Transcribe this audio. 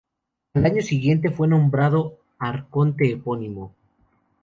Al año siguiente fue nombrado arconte epónimo.